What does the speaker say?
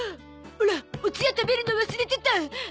オラおつや食べるの忘れてた。